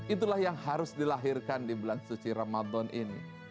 itulah yang harus dilahirkan di bulan suci ramadan ini